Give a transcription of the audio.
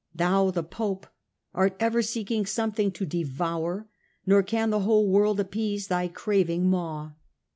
Thou, the Pope, art ever seeking something to devour, nor can the whole world appease thy craving maw.